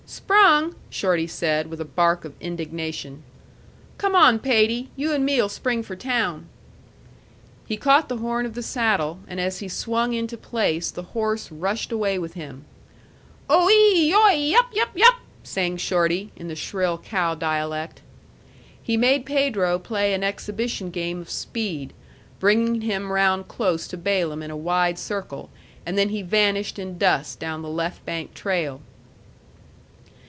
"Sprung!" Shorty said, with a bark of indignation. "Come on, Pede; you and me'll spring for town." He caught the horn of the saddle, and as he swung into place the horse rushed away with him. "O ee! yoi yup, yup, yup!" sang Shorty, in the shrill cow dialect. He made Pedro play an exhibition game of speed, bringing him round close to Balaam in a wide circle, and then he vanished in dust down the left bank trail.